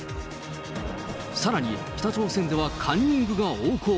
さらに、北朝鮮ではカンニングが横行。